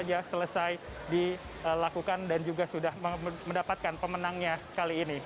dan juga sudah selesai dilakukan dan juga sudah mendapatkan pemenangnya kali ini